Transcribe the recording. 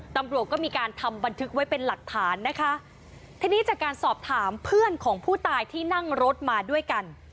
ตำรวจก็มีการทำบันทึกไว้เป็นหลักฐานนะคะทีนี้จากการสอบถามเพื่อนของผู้ตายที่นั่งรถมาด้วยกัน